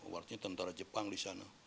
waktunya tentara jepang di sana